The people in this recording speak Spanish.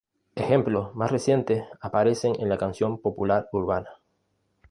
Ejemplos más recientes aparecen en la canción popular urbana.